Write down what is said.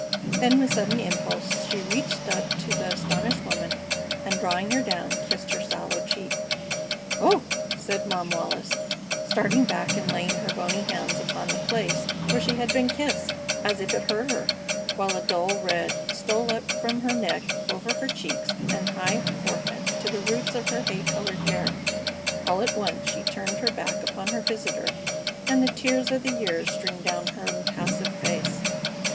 Then with sudden impulse she reached up to the astonished woman and, drawing her down, kissed her sallow cheek. "Oh!" said Mom Wallis, starting back and laying her bony hands upon the place where she had been kissed, as if it hurt her, while a dull red stole up from her neck over her cheeks and high forehead to the roots of her hay colored hair. All at once she turned her back upon her visitor and the tears of the years streamed down her impassive face.